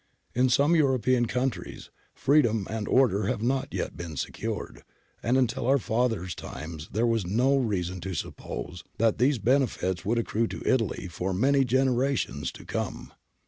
In some European countries, freedom and order have not yet been secured, and until our fathers' times there was no reason to suppose that these benefits would accrue to Italy for many generations to come.